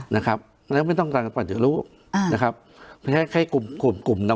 นะครับแล้วไม่ต้องการปรับเจอรู้อ่านะครับแค่ให้กลุ่มกลุ่ม